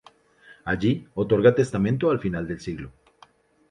Allí otorga testamento al final del siglo.